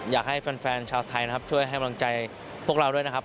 อยากให้แฟนชาวไทยนะครับช่วยให้กำลังใจพวกเราด้วยนะครับ